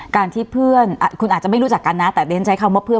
การที่เพื่อนคุณอาจจะไม่รู้จักกันนะแต่เรียนใช้คำว่าเพื่อน